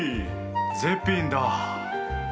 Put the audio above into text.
絶品だ！